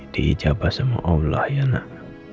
dijabah sama allah ya nak